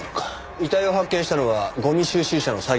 遺体を発見したのはゴミ収集車の作業員だそうです。